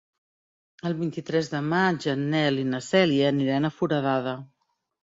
El vint-i-tres de maig en Nel i na Cèlia aniran a Foradada.